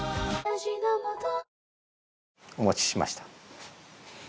お持ちしました。